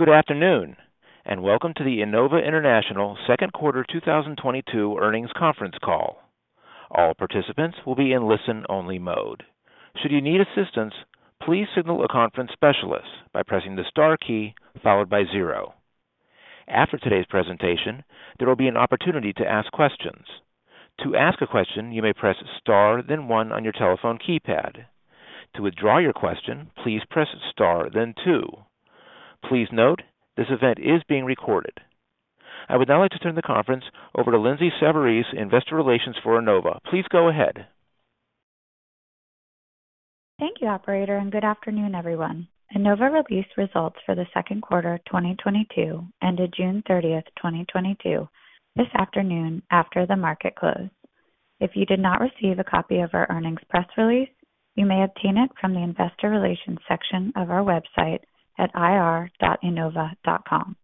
Good afternoon, and welcome to the Enova International second quarter 2022 earnings conference call. All participants will be in listen-only mode. Should you need assistance, please signal a conference specialist by pressing the star key followed by zero. After today's presentation, there will be an opportunity to ask questions. To ask a question, you may press star then one on your telephone keypad. To withdraw your question, please press star then two. Please note, this event is being recorded. I would now like to turn the conference over to Lindsay Savarese, Investor Relations for Enova. Please go ahead. Thank you, operator, and good afternoon, everyone. Enova released results for the second quarter of 2022, ended June 30th, 2022 this afternoon after the market closed. If you did not receive a copy of our earnings press release, you may obtain it from the investor relations section of our website at ir.enova.com.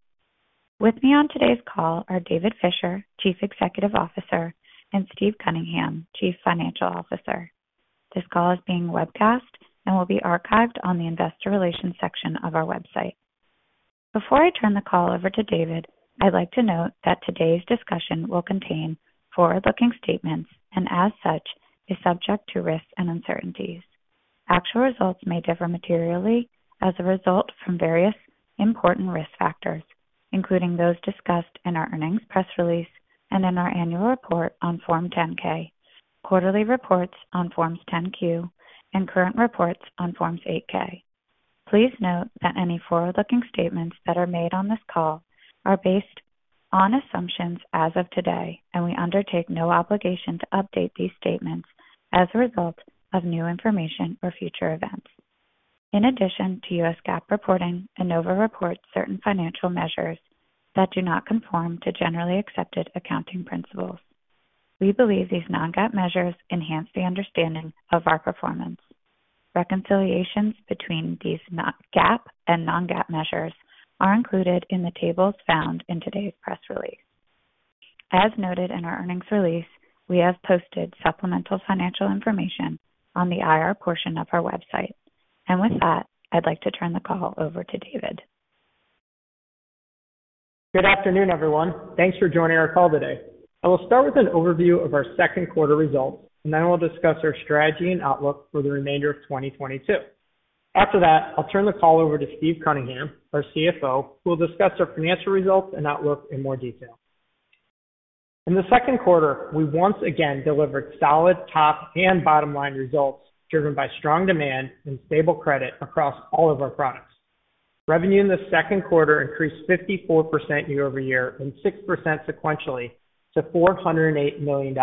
With me on today's call are David Fisher, Chief Executive Officer, and Steve Cunningham, Chief Financial Officer. This call is being webcast and will be archived on the investor relations section of our website. Before I turn the call over to David, I'd like to note that today's discussion will contain forward-looking statements and, as such, is subject to risks and uncertainties. Actual results may differ materially as a result from various important risk factors, including those discussed in our earnings press release and in our annual report on Form 10-K, quarterly reports on Forms 10-Q, and current reports on Forms 8-K. Please note that any forward-looking statements that are made on this call are based on assumptions as of today, and we undertake no obligation to update these statements as a result of new information or future events. In addition to U.S. GAAP reporting, Enova reports certain financial measures that do not conform to generally accepted accounting principles. We believe these non-GAAP measures enhance the understanding of our performance. Reconciliations between these GAAP and non-GAAP measures are included in the tables found in today's press release. As noted in our earnings release, we have posted supplemental financial information on the IR portion of our website. With that, I'd like to turn the call over to David. Good afternoon, everyone. Thanks for joining our call today. I will start with an overview of our second quarter results, and then I'll discuss our strategy and outlook for the remainder of 2022. After that, I'll turn the call over to Steve Cunningham, our CFO, who will discuss our financial results and outlook in more detail. In the second quarter, we once again delivered solid top and bottom-line results driven by strong demand and stable credit across all of our products. Revenue in the second quarter increased 54% year-over-year and 6% sequentially to $408 million.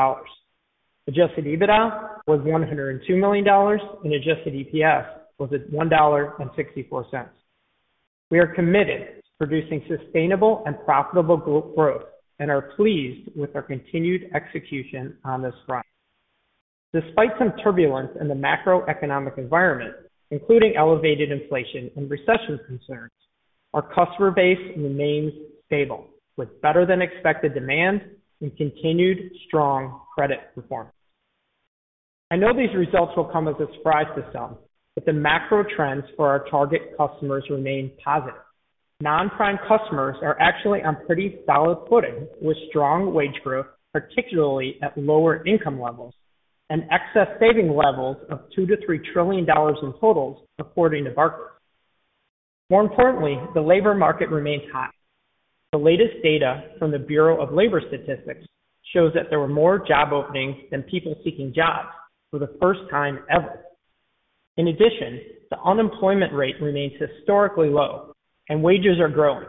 Adjusted EBITDA was $102 million and adjusted EPS was $1.64. We are committed to producing sustainable and profitable growth and are pleased with our continued execution on this front. Despite some turbulence in the macroeconomic environment, including elevated inflation and recession concerns, our customer base remains stable with better than expected demand and continued strong credit performance. I know these results will come as a surprise to some, but the macro trends for our target customers remain positive. Non-prime customers are actually on pretty solid footing with strong wage growth, particularly at lower income levels, and excess saving levels of $2 trillion-$3 trillion in totals according to Barclays. More importantly, the labor market remains high. The latest data from the Bureau of Labor Statistics shows that there were more job openings than people seeking jobs for the first time ever. In addition, the unemployment rate remains historically low and wages are growing.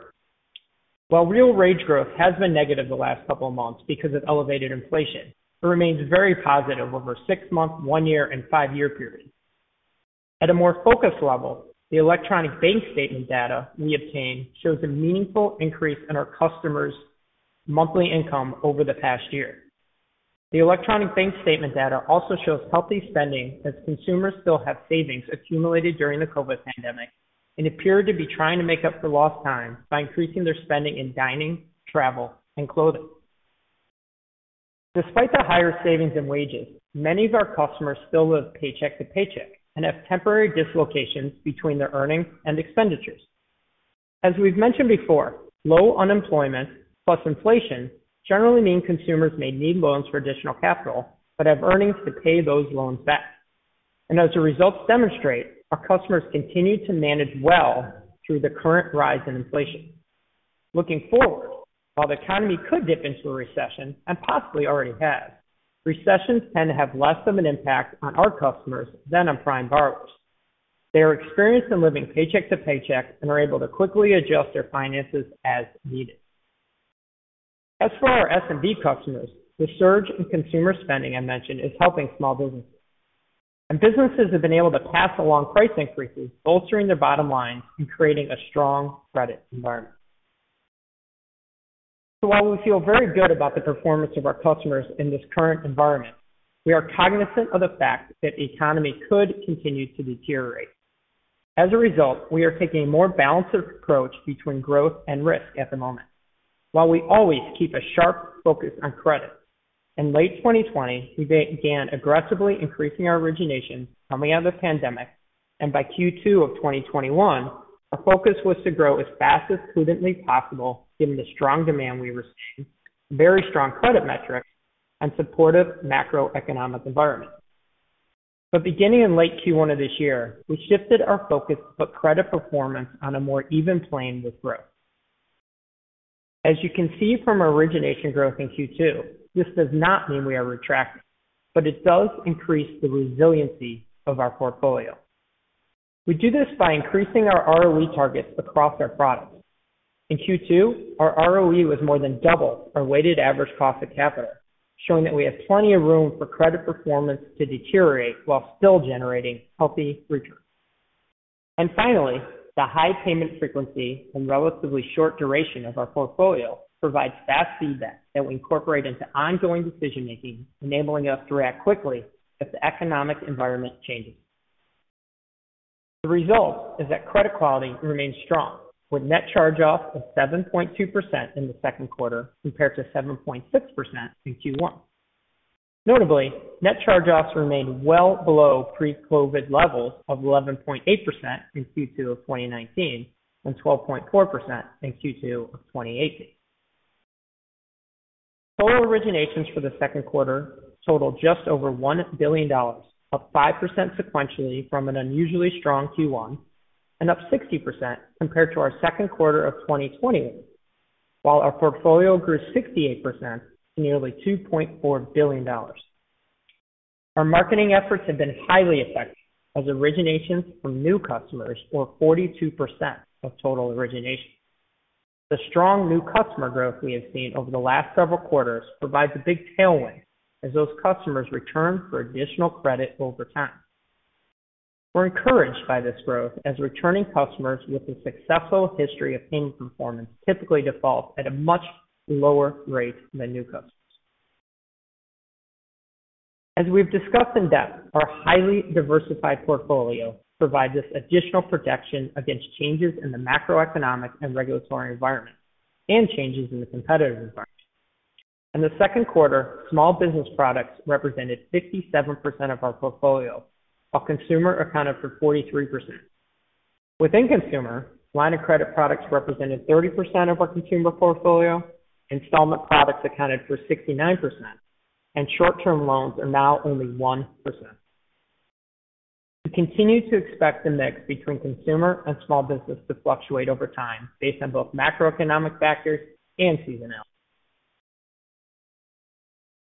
While real wage growth has been negative the last couple of months because of elevated inflation, it remains very positive over six-month, one-year, and five-year periods. At a more focused level, the electronic bank statement data we obtain shows a meaningful increase in our customers' monthly income over the past year. The electronic bank statement data also shows healthy spending as consumers still have savings accumulated during the COVID pandemic and appear to be trying to make up for lost time by increasing their spending in dining, travel, and clothing. Despite the higher savings and wages, many of our customers still live paycheck to paycheck and have temporary dislocations between their earnings and expenditures. As we've mentioned before, low unemployment plus inflation generally mean consumers may need loans for additional capital, but have earnings to pay those loans back. As the results demonstrate, our customers continue to manage well through the current rise in inflation. Looking forward, while the economy could dip into a recession and possibly already has, recessions tend to have less of an impact on our customers than on prime borrowers. They are experienced in living paycheck to paycheck and are able to quickly adjust their finances as needed. As for our SMB customers, the surge in consumer spending I mentioned is helping small businesses. Businesses have been able to pass along price increases, bolstering their bottom lines and creating a strong credit environment. While we feel very good about the performance of our customers in this current environment, we are cognizant of the fact that the economy could continue to deteriorate. As a result, we are taking a more balanced approach between growth and risk at the moment. While we always keep a sharp focus on credit. In late 2020, we began aggressively increasing our origination coming out of the pandemic. By Q2 of 2021, our focus was to grow as fast as prudently possible given the strong demand we received, very strong credit metrics, and supportive macroeconomic environment. Beginning in late Q1 of this year, we shifted our focus to put credit performance on a more even plane with growth. As you can see from our origination growth in Q2, this does not mean we are retracting, but it does increase the resiliency of our portfolio. We do this by increasing our ROE targets across our products. In Q2, our ROE was more than double our weighted average cost of capital, showing that we have plenty of room for credit performance to deteriorate while still generating healthy returns. Finally, the high payment frequency and relatively short duration of our portfolio provides fast feedback that we incorporate into ongoing decision-making, enabling us to react quickly if the economic environment changes. The result is that credit quality remains strong, with net charge-offs of 7.2% in the second quarter compared to 7.6% in Q1. Notably, net charge-offs remain well below pre-COVID levels of 11.8% in Q2 of 2019 and 12.4% in Q2 of 2018. Total originations for the second quarter totaled just over $1 billion, up 5% sequentially from an unusually strong Q1 and up 60% compared to our second quarter of 2020, while our portfolio grew 68% to nearly $2.4 billion. Our marketing efforts have been highly effective as originations from new customers were 42% of total originations. The strong new customer growth we have seen over the last several quarters provides a big tailwind as those customers return for additional credit over time. We're encouraged by this growth as returning customers with a successful history of payment performance typically default at a much lower rate than new customers. As we've discussed in depth, our highly diversified portfolio provides us additional protection against changes in the macroeconomic and regulatory environment and changes in the competitive environment. In the second quarter, small business products represented 57% of our portfolio, while consumer accounted for 43%. Within consumer, line of credit products represented 30% of our consumer portfolio, installment products accounted for 69%, and short-term loans are now only 1%. We continue to expect the mix between consumer and small business to fluctuate over time based on both macroeconomic factors and seasonality.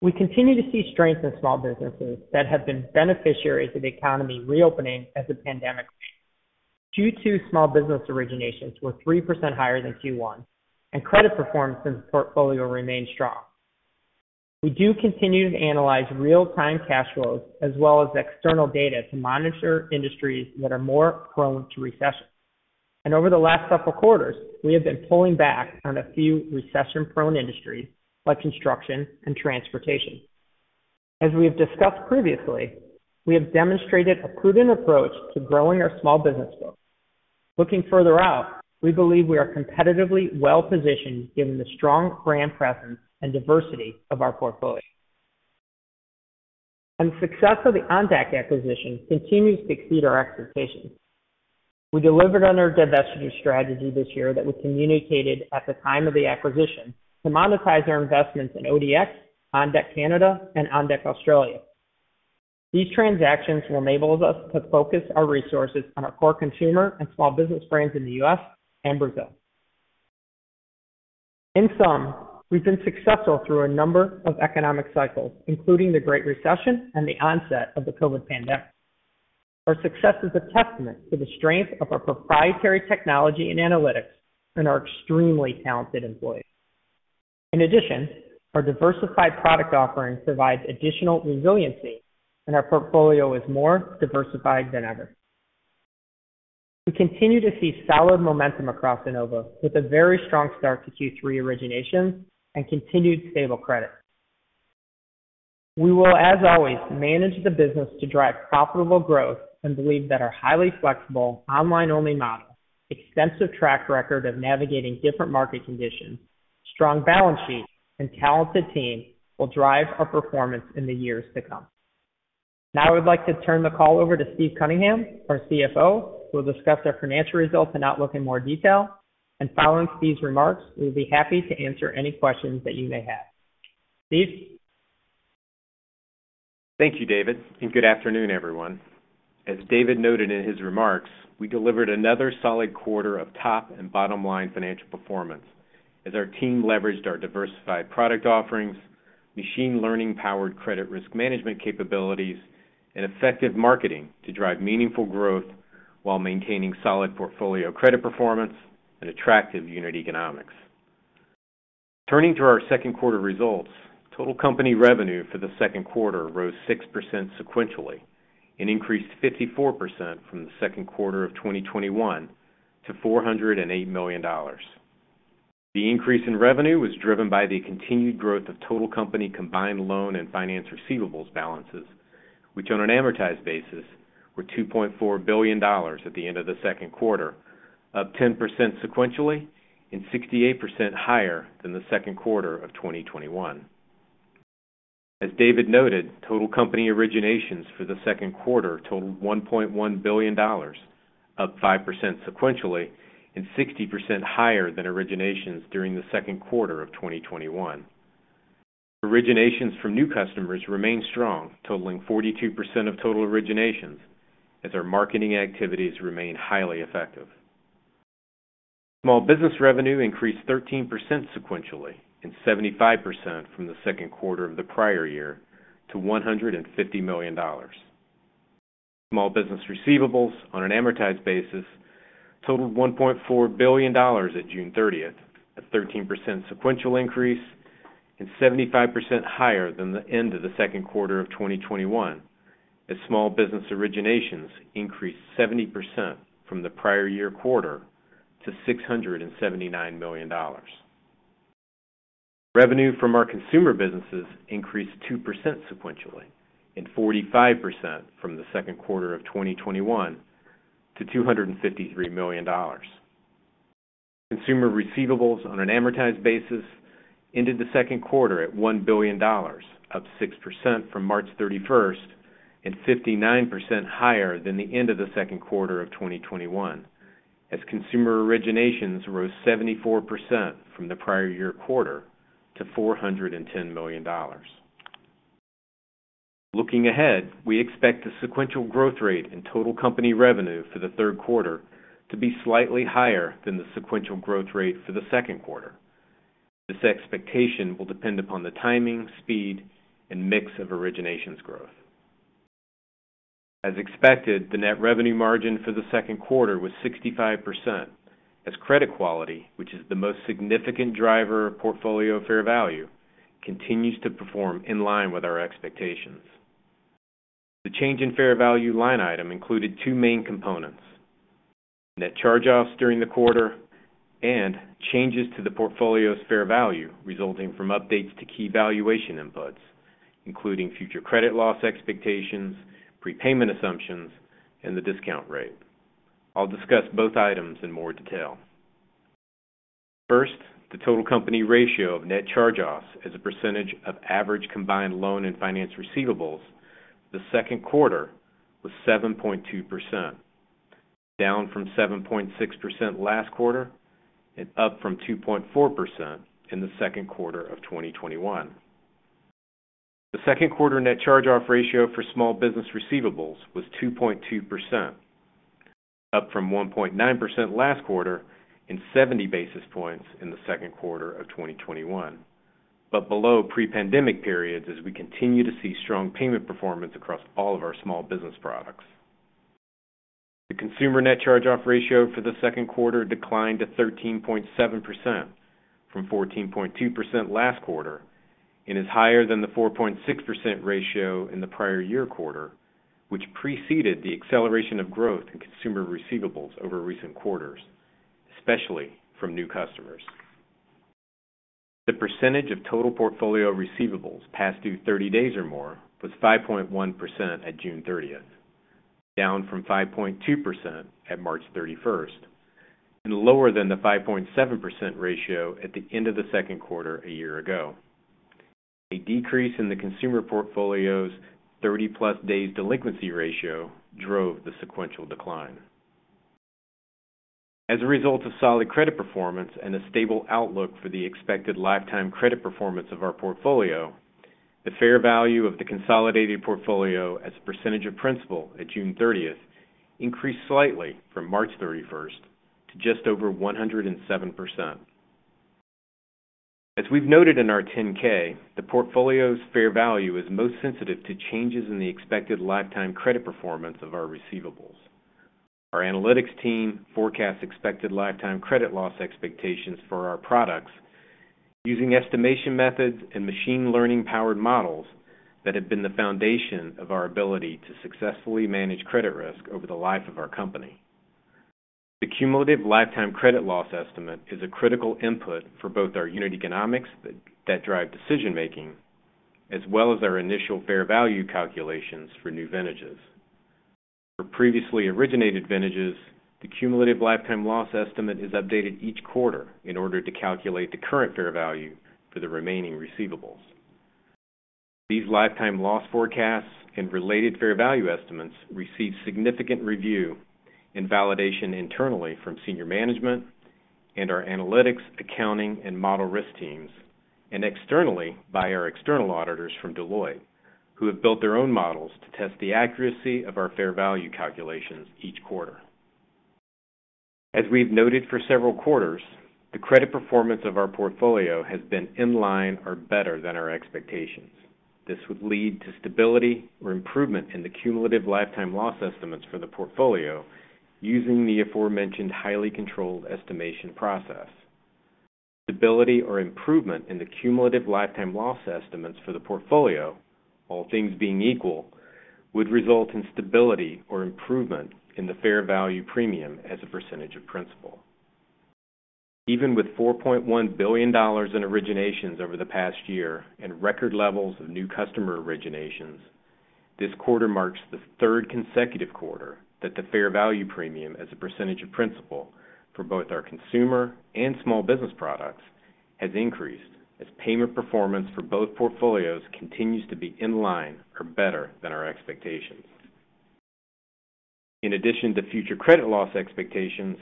We continue to see strength in small businesses that have been beneficiaries of the economy reopening as the pandemic wanes. Q2 small business originations were 3% higher than Q1, and credit performance in the portfolio remains strong. We do continue to analyze real-time cash flows as well as external data to monitor industries that are more prone to recession. Over the last several quarters, we have been pulling back on a few recession-prone industries like construction and transportation. As we have discussed previously, we have demonstrated a prudent approach to growing our small business book. Looking further out, we believe we are competitively well positioned given the strong brand presence and diversity of our portfolio. The success of the OnDeck acquisition continues to exceed our expectations. We delivered on our divestiture strategy this year that we communicated at the time of the acquisition to monetize our investments in ODX, OnDeck Canada, and OnDeck Australia. These transactions will enable us to focus our resources on our core consumer and small business brands in the U.S. and Brazil. In sum, we've been successful through a number of economic cycles, including the Great Recession and the onset of the COVID pandemic. Our success is a testament to the strength of our proprietary technology and analytics and our extremely talented employees. In addition, our diversified product offering provides additional resiliency, and our portfolio is more diversified than ever. We continue to see solid momentum across Enova with a very strong start to Q3 origination and continued stable credit. We will, as always, manage the business to drive profitable growth and believe that our highly flexible online-only model, extensive track record of navigating different market conditions, strong balance sheet, and talented team will drive our performance in the years to come. Now I would like to turn the call over to Steve Cunningham, our CFO, who will discuss our financial results and outlook in more detail. Following Steve's remarks, we'll be happy to answer any questions that you may have. Steve. Thank you, David, and good afternoon, everyone. As David noted in his remarks, we delivered another solid quarter of top and bottom line financial performance as our team leveraged our diversified product offerings, machine learning-powered credit risk management capabilities, and effective marketing to drive meaningful growth while maintaining solid portfolio credit performance and attractive unit economics. Turning to our second quarter results, total company revenue for the second quarter rose 6% sequentially and increased 54% from the second quarter of 2021 to $408 million. The increase in revenue was driven by the continued growth of total company combined loan and finance receivables balances, which on an amortized basis, were $2.4 billion at the end of the second quarter, up 10% sequentially and 68% higher than the second quarter of 2021. As David noted, total company originations for the second quarter totaled $1.1 billion, up 5% sequentially and 60% higher than originations during the second quarter of 2021. Originations from new customers remain strong, totaling 42% of total originations as our marketing activities remain highly effective. Small business revenue increased 13% sequentially and 75% from the second quarter of the prior year to $150 million. Small business receivables on an amortized basis totaled $1.4 billion at June 30th. A 13% sequential increase and 75% higher than the end of the second quarter of 2021 as small business originations increased 70% from the prior year quarter to $679 million. Revenue from our consumer businesses increased 2% sequentially and 45% from the second quarter of 2021 to $253 million. Consumer receivables on an amortized basis ended the second quarter at $1 billion, up 6% from March 31st and 59% higher than the end of the second quarter of 2021 as consumer originations rose 74% from the prior year quarter to $410 million. Looking ahead, we expect the sequential growth rate in total company revenue for the third quarter to be slightly higher than the sequential growth rate for the second quarter. This expectation will depend upon the timing, speed and mix of originations growth. As expected, the net revenue margin for the second quarter was 65% as credit quality, which is the most significant driver of portfolio fair value, continues to perform in line with our expectations. The change in fair value line item included two main components. Net charge-offs during the quarter and changes to the portfolio's fair value resulting from updates to key valuation inputs, including future credit loss expectations, prepayment assumptions and the discount rate. I'll discuss both items in more detail. First, the total company ratio of net charge-offs as a percentage of average combined loan and finance receivables in the second quarter was 7.2%, down from 7.6% last quarter and up from 2.4% in the second quarter of 2021. The second quarter net charge-off ratio for small business receivables was 2.2%, up from 1.9% last quarter and 70 basis points in the second quarter of 2021. Below pre-pandemic periods as we continue to see strong payment performance across all of our small business products. The consumer net charge-off ratio for the second quarter declined to 13.7% from 14.2% last quarter and is higher than the 4.6% ratio in the prior year quarter, which preceded the acceleration of growth in consumer receivables over recent quarters, especially from new customers. The percentage of total portfolio receivables past due 30 days or more was 5.1% at June 30th, down from 5.2% at March 31st and lower than the 5.7% ratio at the end of the second quarter a year ago. A decrease in the consumer portfolio's 30+ days delinquency ratio drove the sequential decline. As a result of solid credit performance and a stable outlook for the expected lifetime credit performance of our portfolio, the fair value of the consolidated portfolio as a percentage of principal at June 30th increased slightly from March 31st to just over 107%. As we've noted in our 10-K, the portfolio's fair value is most sensitive to changes in the expected lifetime credit performance of our receivables. Our analytics team forecasts expected lifetime credit loss expectations for our products using estimation methods and machine learning-powered models that have been the foundation of our ability to successfully manage credit risk over the life of our company. The cumulative lifetime credit loss estimate is a critical input for both our unit economics that drive decision-making, as well as our initial fair value calculations for new vintages. For previously originated vintages, the cumulative lifetime loss estimate is updated each quarter in order to calculate the current fair value for the remaining receivables. These lifetime loss forecasts and related fair value estimates receive significant review and validation internally from senior management and our analytics, accounting and model risk teams, and externally by our external auditors from Deloitte, who have built their own models to test the accuracy of our fair value calculations each quarter. As we've noted for several quarters, the credit performance of our portfolio has been in line or better than our expectations. This would lead to stability or improvement in the cumulative lifetime loss estimates for the portfolio using the aforementioned highly controlled estimation process. Stability or improvement in the cumulative lifetime loss estimates for the portfolio, all things being equal, would result in stability or improvement in the fair value premium as a percentage of principal. Even with $4.1 billion in originations over the past year and record levels of new customer originations, this quarter marks the third consecutive quarter that the fair value premium as a percentage of principal for both our consumer and small business products has increased as payment performance for both portfolios continues to be in line or better than our expectations. In addition to future credit loss expectations,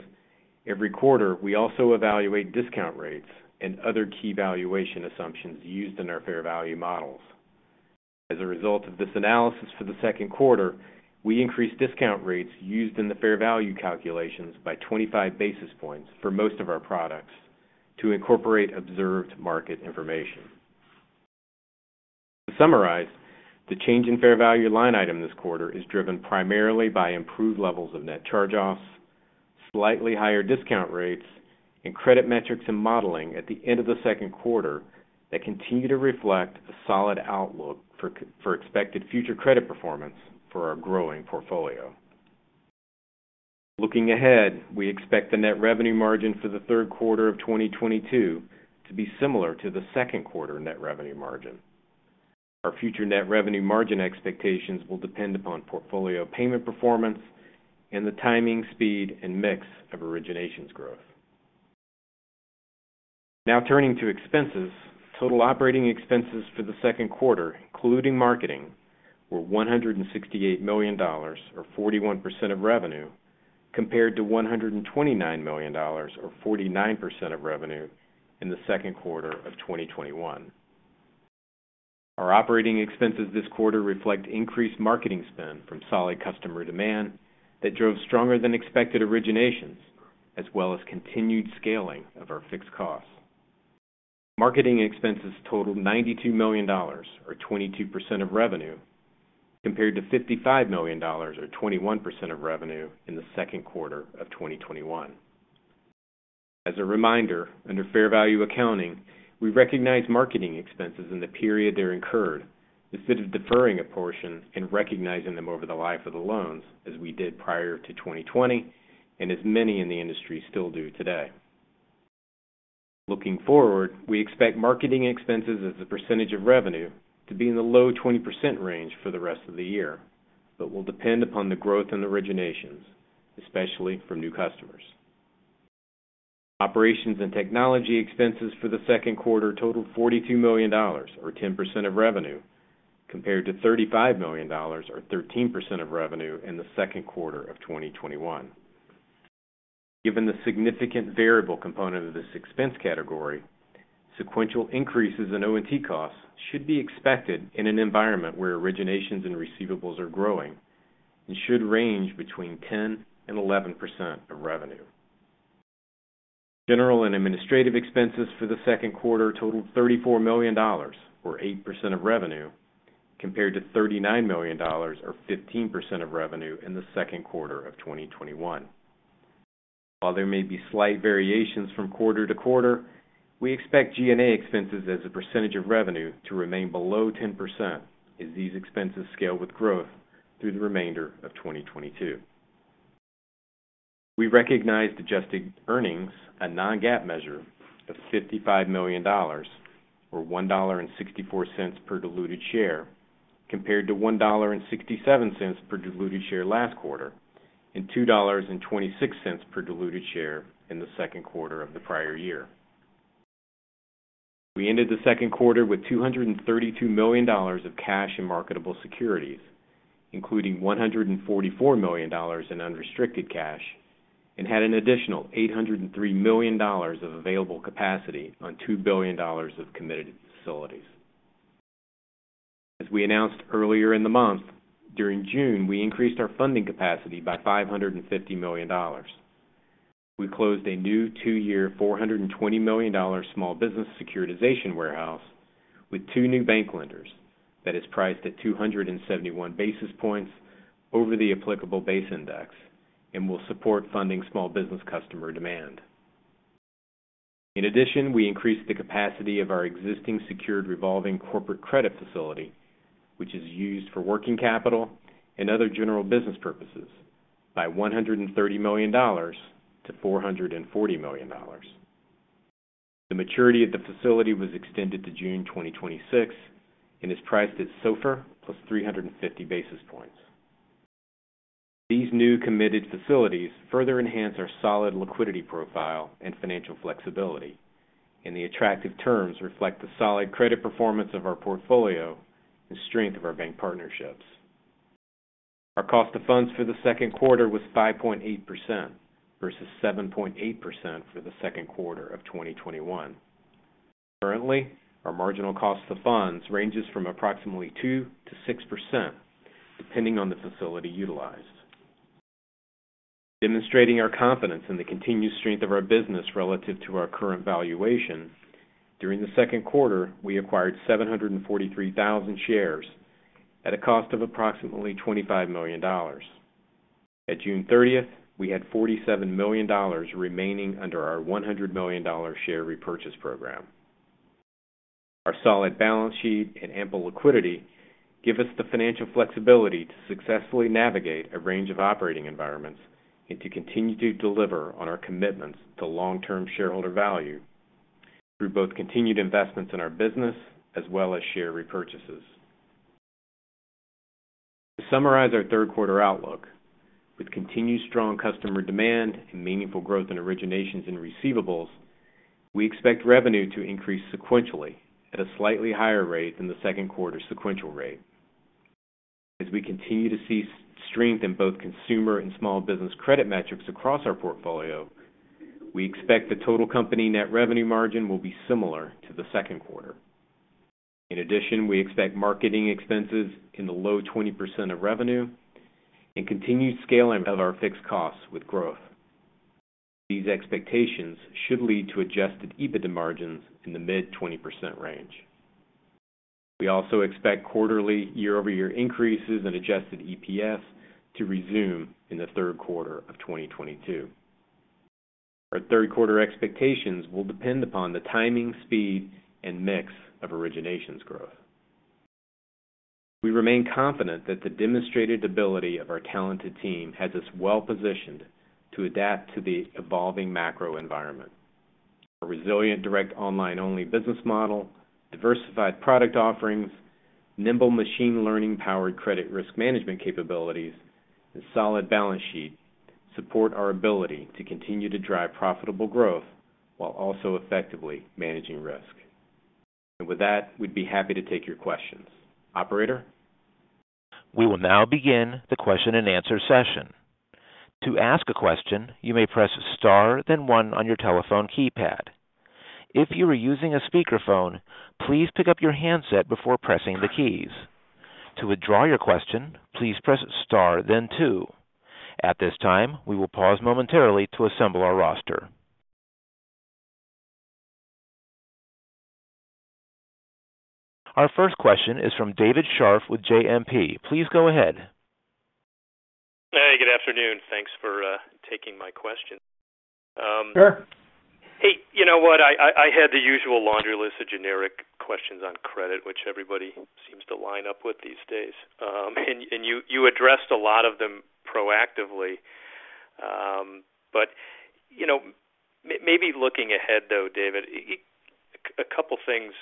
every quarter, we also evaluate discount rates and other key valuation assumptions used in our fair value models. As a result of this analysis for the second quarter, we increased discount rates used in the fair value calculations by 25 basis points for most of our products to incorporate observed market information. To summarize, the change in fair value line item this quarter is driven primarily by improved levels of net charge-offs, slightly higher discount rates, and credit metrics and modeling at the end of the second quarter that continue to reflect a solid outlook for expected future credit performance for our growing portfolio. Looking ahead, we expect the net revenue margin for the third quarter of 2022 to be similar to the second quarter net revenue margin. Our future net revenue margin expectations will depend upon portfolio payment performance and the timing, speed, and mix of originations growth. Now turning to expenses. Total operating expenses for the second quarter, including marketing, were $168 million or 41% of revenue, compared to $129 million or 49% of revenue in the second quarter of 2021. Our operating expenses this quarter reflect increased marketing spend from solid customer demand that drove stronger than expected originations as well as continued scaling of our fixed costs. Marketing expenses totaled $92 million or 22% of revenue, compared to $55 million or 21% of revenue in the second quarter of 2021. As a reminder, under fair value accounting, we recognize marketing expenses in the period they're incurred instead of deferring a portion and recognizing them over the life of the loans, as we did prior to 2020 and as many in the industry still do today. Looking forward, we expect marketing expenses as a percentage of revenue to be in the low 20% range for the rest of the year, but will depend upon the growth in originations, especially from new customers. Operations and technology expenses for the second quarter totaled $42 million or 10% of revenue, compared to $35 million or 13% of revenue in the second quarter of 2021. Given the significant variable component of this expense category, sequential increases in O&T costs should be expected in an environment where originations and receivables are growing and should range between 10% and 11% of revenue. General and administrative expenses for the second quarter totaled $34 million or 8% of revenue, compared to $39 million or 15% of revenue in the second quarter of 2021. While there may be slight variations from quarter to quarter, we expect G&A expenses as a percentage of revenue to remain below 10% as these expenses scale with growth through the remainder of 2022. We recognized adjusted earnings, a non-GAAP measure, of $55 million or $1.64 per diluted share compared to $1.67 per diluted share last quarter and $2.26 per diluted share in the second quarter of the prior year. We ended the second quarter with $232 million of cash and marketable securities, including $144 million in unrestricted cash, and had an additional $803 million of available capacity on $2 billion of committed facilities. As we announced earlier in the month, during June, we increased our funding capacity by $550 million. We closed a new two-year $420 million small business securitization warehouse with two new bank lenders that is priced at 271 basis points over the applicable base index and will support funding small business customer demand. In addition, we increased the capacity of our existing secured revolving corporate credit facility, which is used for working capital and other general business purposes by $130 million to $440 million. The maturity of the facility was extended to June 2026 and is priced at SOFR plus 350 basis points. These new committed facilities further enhance our solid liquidity profile and financial flexibility, and the attractive terms reflect the solid credit performance of our portfolio and strength of our bank partnerships. Our cost of funds for the second quarter was 5.8% versus 7.8% for the second quarter of 2021. Currently, our marginal cost of funds ranges from approximately 2%-6% depending on the facility utilized. Demonstrating our confidence in the continued strength of our business relative to our current valuation, during the second quarter, we acquired 743,000 shares at a cost of approximately $25 million. At June 30th, we had $47 million remaining under our $100 million share repurchase program. Our solid balance sheet and ample liquidity give us the financial flexibility to successfully navigate a range of operating environments and to continue to deliver on our commitments to long-term shareholder value through both continued investments in our business as well as share repurchases. To summarize our third quarter outlook, with continued strong customer demand and meaningful growth in originations and receivables, we expect revenue to increase sequentially at a slightly higher rate than the second quarter sequential rate. As we continue to see strength in both consumer and small business credit metrics across our portfolio, we expect the total company net revenue margin will be similar to the second quarter. In addition, we expect marketing expenses in the low 20% of revenue and continued scaling of our fixed costs with growth. These expectations should lead to adjusted EBITDA margins in the mid-20% range. We also expect quarterly year-over-year increases in adjusted EPS to resume in the third quarter of 2022. Our third quarter expectations will depend upon the timing, speed, and mix of originations growth. We remain confident that the demonstrated ability of our talented team has us well-positioned to adapt to the evolving macro environment. Our resilient direct online-only business model, diversified product offerings, nimble machine learning-powered credit risk management capabilities, and solid balance sheet support our ability to continue to drive profitable growth while also effectively managing risk. With that, we'd be happy to take your questions. Operator? We will now begin the question-and-answer session. To ask a question, you may press star then one on your telephone keypad. If you are using a speakerphone, please pick up your handset before pressing the keys. To withdraw your question, please press star then two. At this time, we will pause momentarily to assemble our roster. Our first question is from David Scharf with JMP. Please go ahead. Hey, good afternoon. Thanks for taking my question. Sure. Hey, you know what? I had the usual laundry list of generic questions on credit, which everybody seems to line up with these days. You addressed a lot of them proactively. You know, maybe looking ahead, though, David, a couple of things,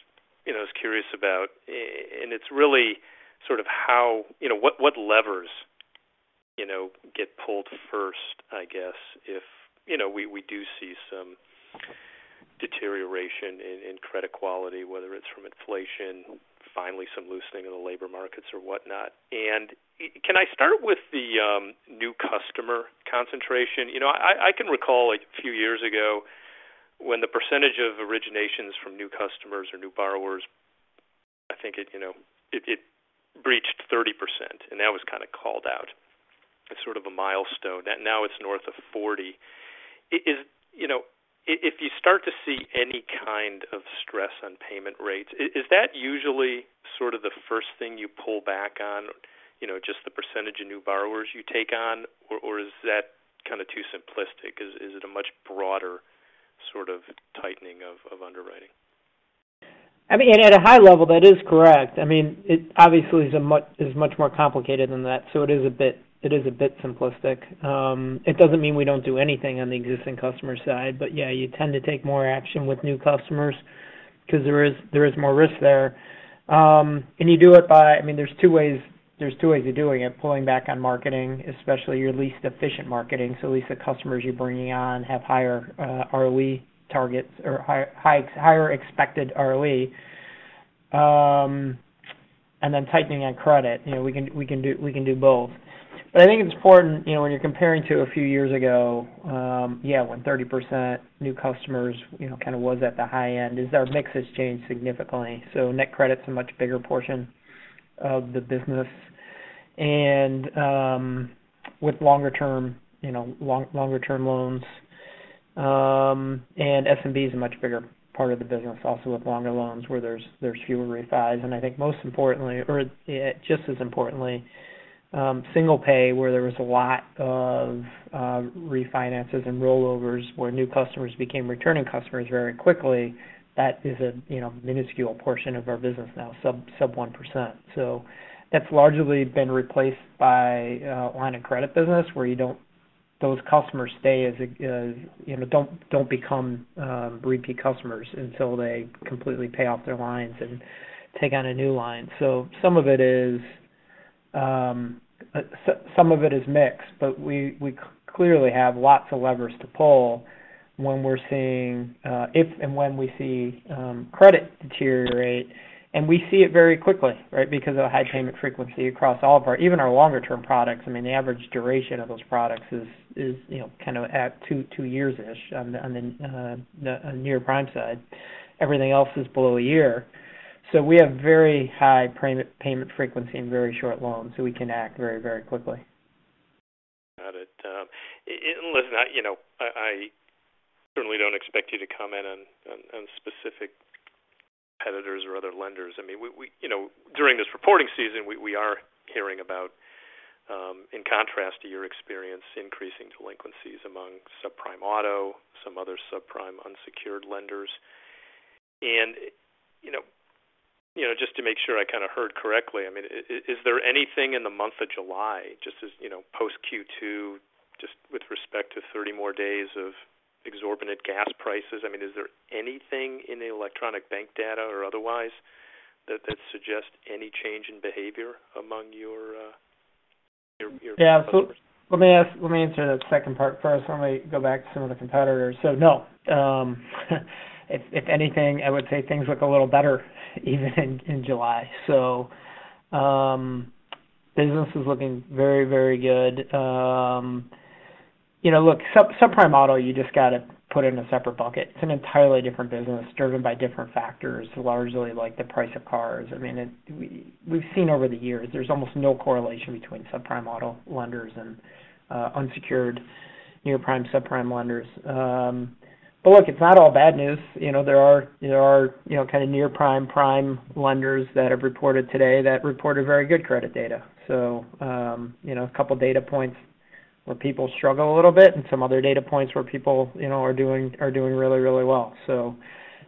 you know, I was curious about, and it's really sort of how, you know, what levers, you know, get pulled first, I guess, if, you know, we do see some deterioration in credit quality, whether it's from inflation, finally some loosening of the labor markets or whatnot. Can I start with the new customer concentration? You know, I can recall a few years ago when the percentage of originations from new customers or new borrowers, I think it, you know, it breached 30%, and that was kinda called out as sort of a milestone. Now it's north of 40%. Is, you know, if you start to see any kind of stress on payment rates, is that usually sort of the first thing you pull back on, you know, just the percentage of new borrowers you take on? Or is that kinda too simplistic? Is it a much broader sort of tightening of underwriting? I mean, at a high level, that is correct. I mean, it obviously is much more complicated than that. It is a bit simplistic. It doesn't mean we don't do anything on the existing customer side. Yeah, you tend to take more action with new customers because there is more risk there. You do it by, I mean, there's two ways of doing it, pulling back on marketing, especially your least efficient marketing. At least the customers you're bringing on have higher ROE targets or higher expected ROE. Then tightening on credit. You know, we can do both. I think it's important, you know, when you're comparing to a few years ago, yeah, when 30% new customers, you know, kinda was at the high end, our mix has changed significantly. NetCredit is a much bigger portion of the business. With longer term, you know, longer term loans, and SMB is a much bigger part of the business also with longer loans where there's fewer refis. I think most importantly or just as importantly, single pay, where there was a lot of refinances and rollovers where new customers became returning customers very quickly. That is a, you know, minuscule portion of our business now, sub 1%. That's largely been replaced by line of credit business where those customers stay as a you know don't become repeat customers until they completely pay off their lines and take on a new line. Some of it is mixed, but we clearly have lots of levers to pull when we're seeing if and when we see credit deteriorate, and we see it very quickly, right? Because of the high payment frequency across all of our, even our longer-term products. I mean, the average duration of those products is you know kind of at two years-ish on the near prime side. Everything else is below a year. We have very high payment frequency and very short loans, so we can act very, very quickly. Got it. Listen, you know, I certainly don't expect you to comment on specific competitors or other lenders. I mean, you know, during this reporting season, we are hearing about in contrast to your experience increasing delinquencies among subprime auto, some other subprime unsecured lenders. You know, just to make sure I kind of heard correctly, I mean, is there anything in the month of July just as, you know, post Q2, just with respect to 30 more days of exorbitant gas prices? I mean, is there anything in the electronic bank data or otherwise that suggests any change in behavior among your your your- Let me answer the second part first. Let me go back to some of the competitors. No, if anything, I would say things look a little better even in July. Business is looking very, very good. You know, look, subprime auto, you just gotta put it in a separate bucket. It's an entirely different business driven by different factors, largely like the price of cars. I mean, we've seen over the years there's almost no correlation between subprime auto lenders and unsecured near-prime, subprime lenders. But look, it's not all bad news. You know, there are you know, kind of near-prime, prime lenders that have reported today that reported very good credit data. You know, a couple data points where people struggle a little bit and some other data points where people, you know, are doing really well. See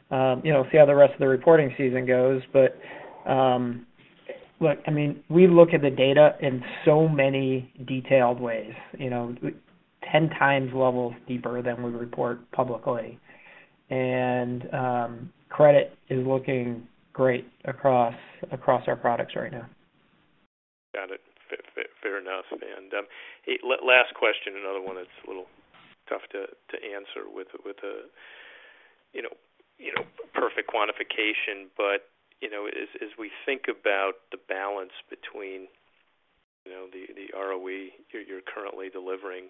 how the rest of the reporting season goes. Look, I mean, we look at the data in so many detailed ways, you know, 10x levels deeper than we report publicly. Credit is looking great across our products right now. Got it. Fair enough. Hey, last question, another one that's a little tough to answer with a you know perfect quantification. You know, as we think about the balance between you know the ROE you're currently delivering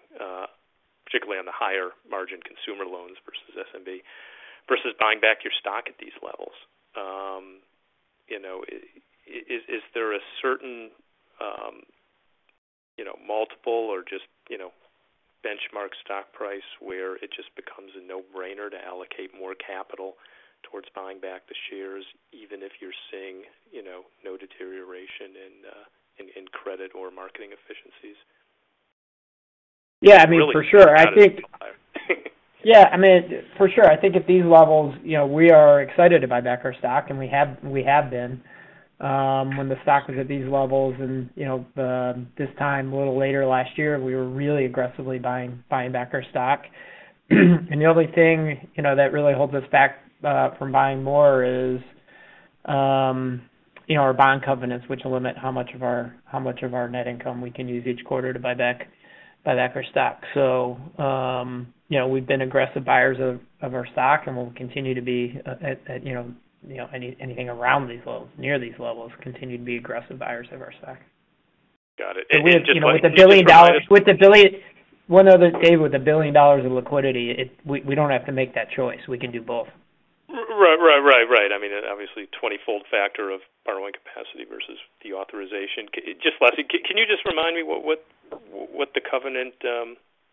particularly on the higher margin consumer loans versus SMB versus buying back your stock at these levels you know is there a certain you know multiple or just you know benchmark stock price where it just becomes a no-brainer to allocate more capital towards buying back the shares even if you're seeing you know no deterioration in credit or marketing efficiencies? Yeah, I mean, for sure. Really. I think. Yeah, I mean, for sure. I think at these levels, you know, we are excited to buy back our stock, and we have been. When the stock was at these levels and, you know, this time a little later last year, we were really aggressively buying back our stock. The only thing, you know, that really holds us back from buying more is, you know, our bond covenants, which limit how much of our net income we can use each quarter to buy back our stock. You know, we've been aggressive buyers of our stock, and we'll continue to be at you know anything around these levels, near these levels, continue to be aggressive buyers of our stock. Got it. Just- One other, Dave, with $1 billion in liquidity, we don't have to make that choice. We can do both. Right. I mean, obviously 20-fold factor of borrowing capacity versus the authorization. Just lastly, can you just remind me what the covenant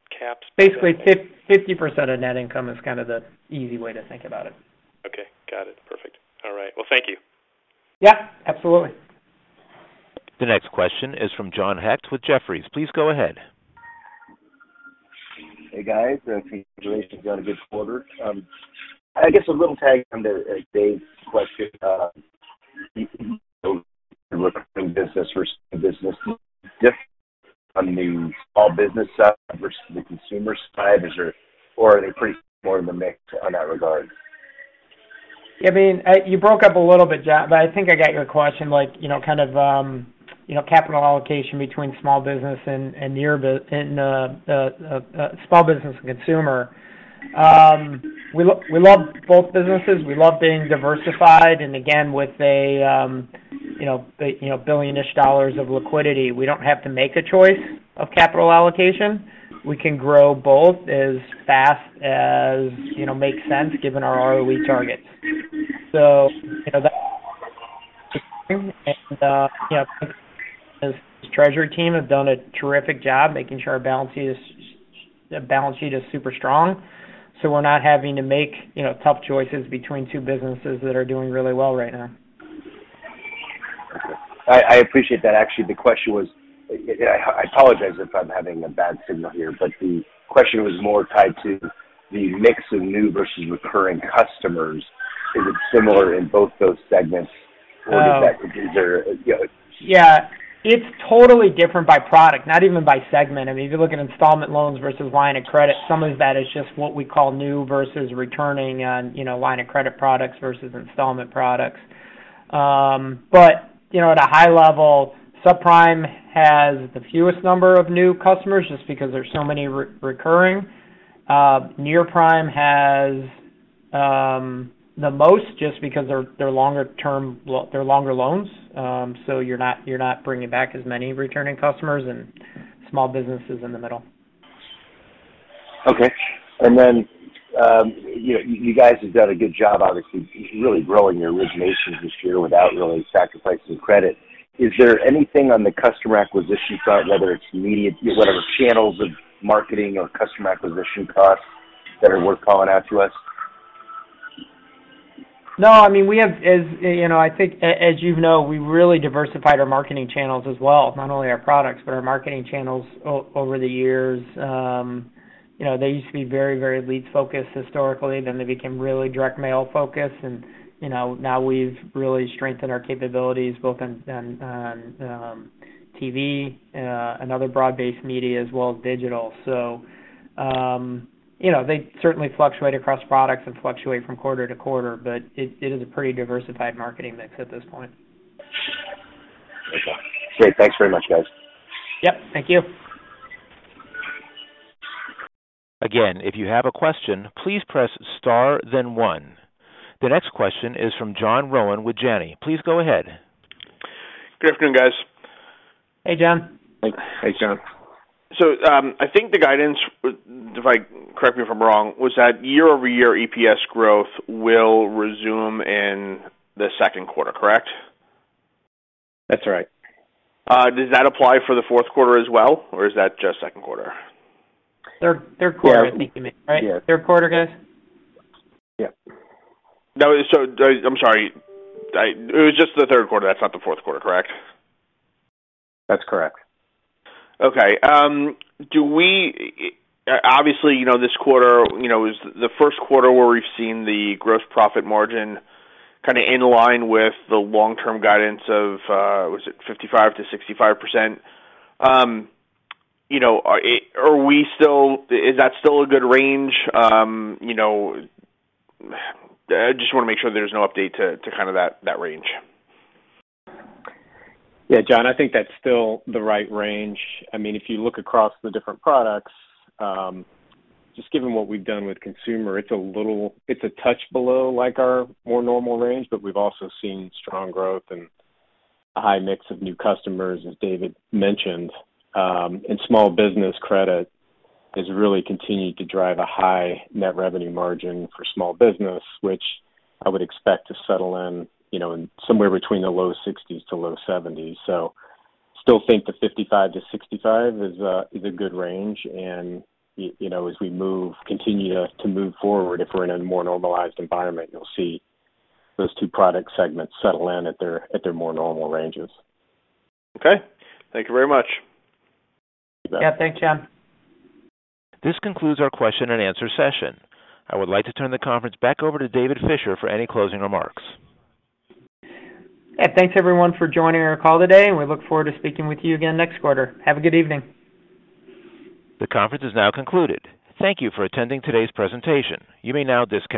caps. Basically 50% of net income is kind of the easy way to think about it. Okay. Got it. Perfect. All right. Well, thank you. Yeah, absolutely. The next question is from John Hecht with Jefferies. Please go ahead. Hey, guys. Congratulations on a good quarter. I guess a little tag on to Dave's question. You know, you're looking business versus business diff on the small business side versus the consumer side. Or are they pretty much in the mix in that regard? I mean, you broke up a little bit, John, but I think I got your question, like, you know, kind of, capital allocation between small business and consumer. We love both businesses. We love being diversified. Again, with a $1 billion-ish of liquidity, we don't have to make a choice of capital allocation. We can grow both as fast as, you know, makes sense given our ROE targets. You know, that and, our treasury team have done a terrific job making sure our balance sheet is super strong, so we're not having to make, you know, tough choices between two businesses that are doing really well right now. I appreciate that. Actually, the question was, I apologize if I'm having a bad signal here, but the question was more tied to the mix of new versus recurring customers. Is it similar in both those segments or is that Yeah. It's totally different by product, not even by segment. I mean, if you look at Installment loans versus Line of credit, some of that is just what we call new versus returning on, you know, Line of credit products versus Installment products. You know, at a high level, subprime has the fewest number of new customers just because there's so many recurring. Near-prime has the most just because they're longer loans. You're not bringing back as many returning customers and small businesses in the middle. Okay. You guys have done a good job, obviously, really growing your originations this year without really sacrificing credit. Is there anything on the customer acquisition front, whether it's immediate, whatever channels of marketing or customer acquisition costs that are worth calling out to us? No, I mean, we have, as you know, I think, as you know, we really diversified our marketing channels as well, not only our products, but our marketing channels over the years. You know, they used to be very lead-focused historically, then they became really direct mail focused and, you know, now we've really strengthened our capabilities both on TV and other broad-based media as well as digital. You know, they certainly fluctuate across products and fluctuate from quarter to quarter, but it is a pretty diversified marketing mix at this point. Okay. Great. Thanks very much, guys. Yep. Thank you. Again, if you have a question, please press star then one. The next question is from John Rowan with Janney. Please go ahead. Good afternoon, guys. Hey, John. Hey. Hey, John. I think the guidance, correct me if I'm wrong, was that year-over-year EPS growth will resume in the second quarter, correct? That's right. Does that apply for the fourth quarter as well, or is that just second quarter? Third quarter, I think you mean, right? Yeah. Yeah. Third quarter, guys? Yeah. No. I'm sorry. It was just the third quarter. That's not the fourth quarter, correct? That's correct. Okay. Obviously, you know, this quarter, you know, is the first quarter where we've seen the gross profit margin kinda in line with the long-term guidance of, was it 55%-65%. You know, are we still? Is that still a good range? You know, just wanna make sure there's no update to kinda that range. Yeah, John, I think that's still the right range. I mean, if you look across the different products, just given what we've done with consumer, it's a little, it's a touch below, like, our more normal range, but we've also seen strong growth and a high mix of new customers, as David mentioned. And small business credit has really continued to drive a high net revenue margin for small business, which I would expect to settle in, you know, somewhere between the low 60% to low 70%. Still think the 55%-65% is a good range, and you know, as we move, continue to move forward, if we're in a more normalized environment, you'll see those two product segments settle in at their more normal ranges. Okay. Thank you very much. You bet. Yeah. Thanks, John. This concludes our question-and-answer session. I would like to turn the conference back over to David Fisher for any closing remarks. Yeah. Thanks everyone for joining our call today, and we look forward to speaking with you again next quarter. Have a good evening. The conference is now concluded. Thank you for attending today's presentation. You may now disconnect.